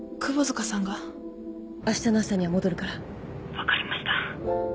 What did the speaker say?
分かりました。